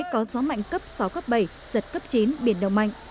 có gió mạnh cấp sáu cấp bảy giật cấp chín biển động mạnh